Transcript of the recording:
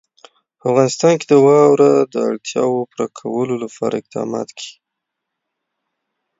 په افغانستان کې د واوره د اړتیاوو پوره کولو لپاره اقدامات کېږي.